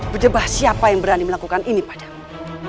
berjebah siapa yang berani melakukan ini padamu